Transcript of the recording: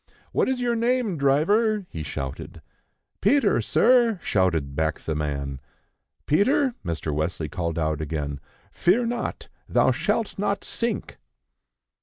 "What is your name, driver?" he shouted. "Peter, sir," shouted back the man. "Peter," Mr. Wesley called out again, "fear not; thou shalt not sink."